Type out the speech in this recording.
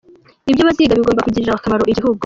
Ibyo baziga bigomba kugirira akamaro igihugu.